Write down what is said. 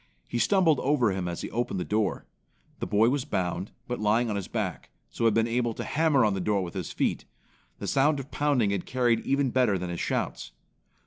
He stumbled over him as he opened the door. The boy was bound, but lying on his back, so had been able to hammer on the door with his feet. The sound of pounding had carried even better than his shouts.